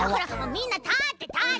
みんなたってたって！